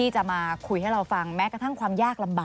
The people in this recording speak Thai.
จะมาคุยให้เราฟังแม้กระทั่งความยากลำบาก